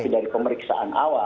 tapi dari pemeriksaan awal